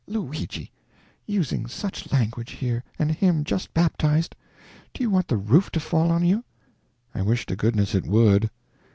"Luigi! Using such language here, and him just baptized! Do you want the roof to fall on you?" "I wish to goodness it would!"